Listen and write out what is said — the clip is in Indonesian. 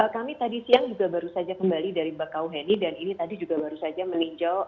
kami tadi siang juga baru saja kembali dari bakauheni dan ini tadi juga baru saja meninjau